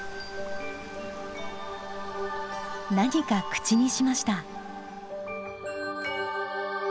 何か口にしました。